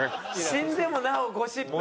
死んでもなおゴシップで？